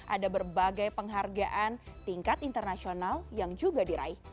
ada berbagai penghargaan tingkat internasional yang juga diraih